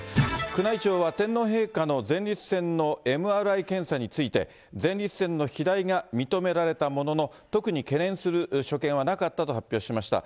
宮内庁は、天皇陛下の前立腺のＭＲＩ検査について、前立腺の肥大が認められたものの、特に懸念する所見はなかったと発表しました。